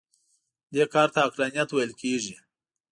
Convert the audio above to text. دې کار ته عقلانیت ویل کېږي.